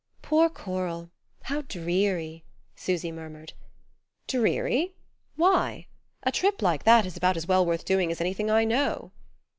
"Poor Coral! How dreary " Susy murmured "Dreary? Why? A trip like that is about as well worth doing as anything I know."